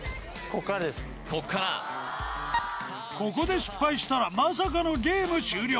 ここからここで失敗したらまさかのゲーム終了